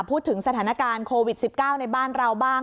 พูดถึงสถานการณ์โควิด๑๙ในบ้านเราบ้าง